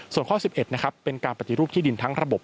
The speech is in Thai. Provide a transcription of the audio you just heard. ส่วนข้อ๑๑นะครับเป็นการปฏิรูปที่ดินทั้งระบบ